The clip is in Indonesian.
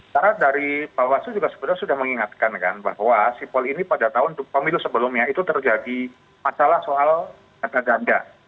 karena dari bawah itu juga sebenarnya sudah mengingatkan kan bahwa sipol ini pada tahun pemilu sebelumnya itu terjadi masalah soal data ganda